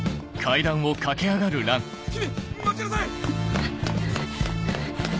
待ちなさい！